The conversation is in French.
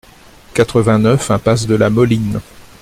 quatre-vingt-neuf impasse de la Moline